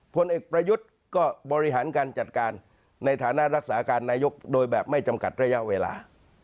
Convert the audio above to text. ผลเอกประยุทธ์ก็บริหารการจัดการในฐานะรักษาการนายกโดยแบบไม่จำกัดระยะเวลา